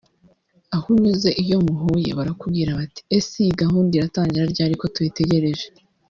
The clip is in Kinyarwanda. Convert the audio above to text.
aho unyuze iyo muhuye barakubwira bati ‘ese iyi gahunda iratangira ryari ko tuyitegereje